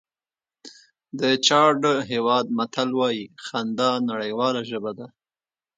د چاډ هېواد متل وایي خندا نړیواله ژبه ده.